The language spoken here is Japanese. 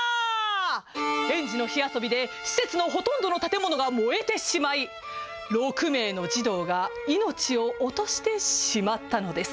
園児の火遊びで施設のほとんどの建物が燃えてしまい６名の児童が命を落としてしまったのです。